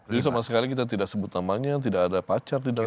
jadi sama sekali kita tidak sebut namanya tidak ada pacar di dalam